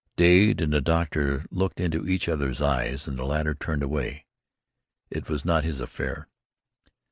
Dade and the doctor looked into each other's eyes, and the latter turned away. It was not his affair.